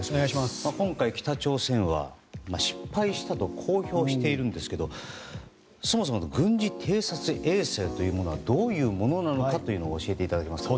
今回、北朝鮮は失敗したと公表しているんですがそもそも軍事偵察衛星というのはどういうものなのかというのを教えていただけますか。